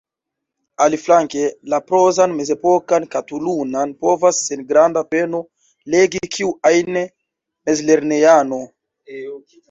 Aliflanke, la prozan mezepokan katalunan povas sen granda peno legi kiu ajn mezlernejano.